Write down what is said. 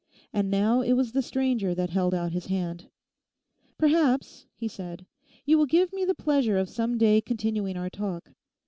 And now it was the stranger that held out his hand. 'Perhaps,' he said, 'you will give me the pleasure of some day continuing our talk.